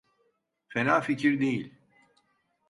Fena fikir değil.